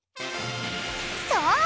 そう！